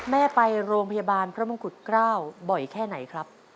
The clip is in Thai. แม่ไปโรงพยาบาลพระมงกุฎเกล้าบ่อยแค่ไหนครับ